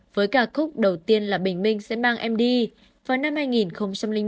với ca khúc đầu tiên là bình minh sẽ mang em đi vào năm hai nghìn năm